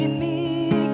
kami akan mencoba